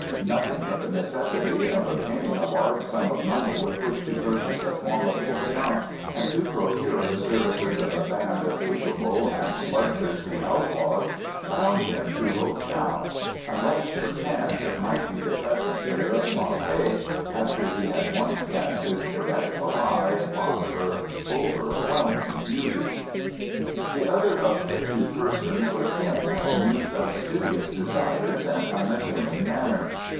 Nothing but the necessity of obtaining a large sum of money with which to purchase a formidable junk and to procure the services of a band of capable and bloodthirsty outlaws bound him to Ho Chow, unless, perchance, it might be the presence there of Fa Fei after he had once cast his piratical eye upon her overwhelming beauty. The other of the two persons was Hien, a youth of studious desires and unassuming manner.